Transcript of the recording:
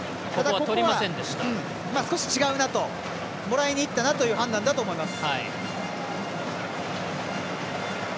少し違うなともらいにいったなという判断だと思います。